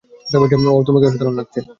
Wow, তোমাকে অসাধারণ লাগছে।